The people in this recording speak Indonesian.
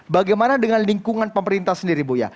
bagaimana dengan lingkungan pemerintah sendiri buya